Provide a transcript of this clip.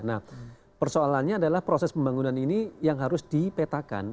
nah persoalannya adalah proses pembangunan ini yang harus dipetakan